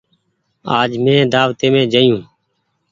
آج مين دآوتي مين جآيو۔